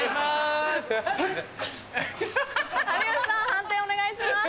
判定お願いします。